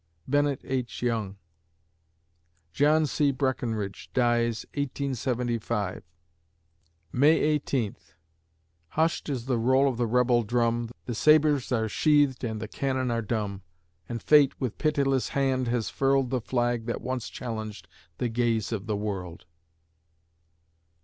BENNETT H. YOUNG John C. Breckinridge dies, 1875 May Eighteenth Hushed is the roll of the rebel drum, The sabres are sheathed and the cannon are dumb; And Fate, with pitiless hand, has furled The flag that once challenged the gaze of the world.